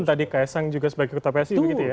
pun tadi ksang juga sebagai ketua psi begitu ya